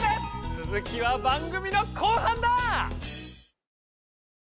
つづきは番組の後半だ！